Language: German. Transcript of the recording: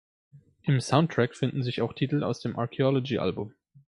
Im Soundtrack finden sich auch Titel aus dem "Archaeology"-Album.